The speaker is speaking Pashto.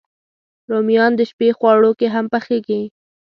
رومیان د شپی خواړو کې هم پخېږي